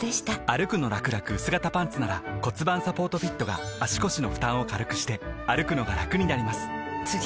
「歩くのらくらくうす型パンツ」なら盤サポートフィットが足腰の負担を軽くしてくのがラクになります覆个△